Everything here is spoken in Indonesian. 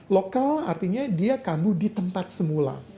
lokal artinya dia kambuh di tempat semula